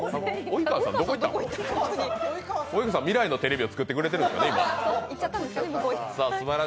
及川さん、未来のテレビを作ってくれてるんですかね。